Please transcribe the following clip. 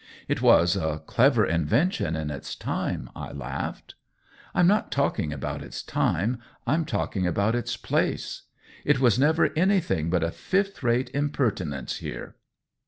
" It was a clever invention in its time !" I laughed. 134 COLLABORATION " I'm not talking about its time — Vm talking about its place. It was never any thing but a fifth rate impertinence here.